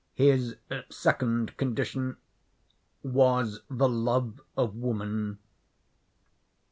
His second condition was the love of woman.